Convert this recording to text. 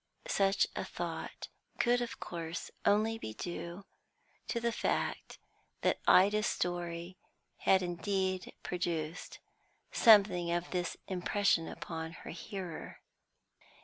Such a thought could of course only be due to the fact that Ida's story had indeed produced something of this impression upon her hearer.